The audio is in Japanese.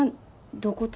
どこと？